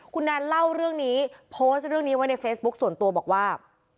คุณแนนเล่าเรื่องนี้โพสต์เรื่องนี้ไว้ในเฟซบุ๊คส่วนตัวบอกว่า